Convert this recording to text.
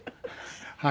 はい。